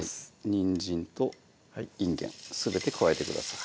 にんじんといんげんすべて加えてください